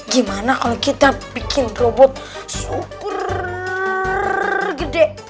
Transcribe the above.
gimana kalau kita bikin robot super gede